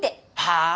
はあ！？